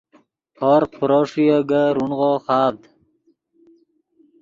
ہورغ پرو ݰوئے اےگے رونغو خاڤد